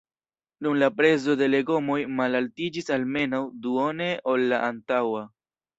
Nun la prezo de legomoj malaltiĝis almenaŭ duone ol la antaŭa.